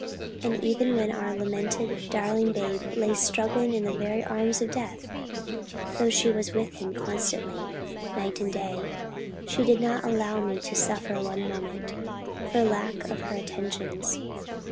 And even when our lamented, darling babe lay struggling in the very arms of death, though she was with him constantly, night and day, she did not allow me to suffer one moment, for lack of her attentions.